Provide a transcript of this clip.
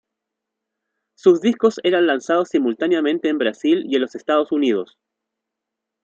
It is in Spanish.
Sus discos eran lanzados simultáneamente en Brasil y en los Estados Unidos.